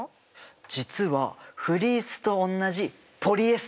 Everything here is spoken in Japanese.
実はフリースとおんなじポリエステル。